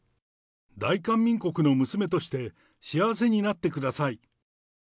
大韓民国の娘として、幸せになってください。＃